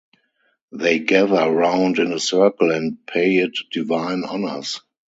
They gather round in a circle and pay it divine honors.